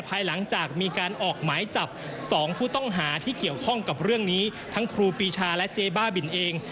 ภายหลังจากมีการออกหมายจับสองผู้ต้องหาที่เกี่ยวข้องกับเรื่องนี้ทั้งครูปีชาและเจ๊บ้าบินเอง